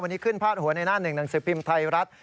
วันนี้ขึ้นพาดหัวในหน้าหนึ่งหนังสือพิมพ์ไทยรัฐ